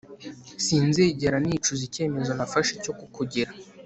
Sinzigera nicuza icyemezo nafashe cyo kukugira